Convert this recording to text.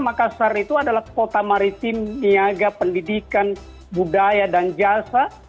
makassar itu adalah kota maritim niaga pendidikan budaya dan jasa